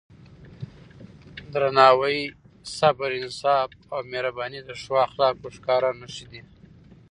درناوی، صبر، انصاف او مهرباني د ښو اخلاقو ښکاره نښې دي.